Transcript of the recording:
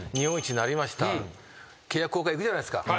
契約更改行くじゃないですか。